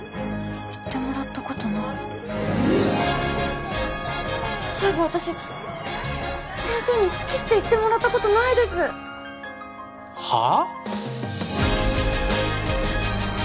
言ってもらったことないそういえば私先生に好きって言ってもらったことないですはあ？